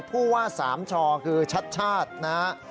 ผู้ว่าสามชอคือชัดนะ